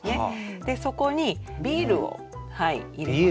でそこにビールを入れます。